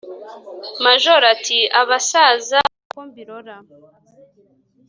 Majoro ati: "Abasaza uko mbirora,